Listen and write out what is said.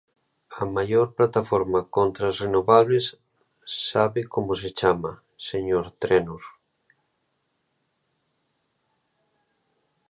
¿A maior plataforma contra as renovables sabe como se chama, señor Trénor?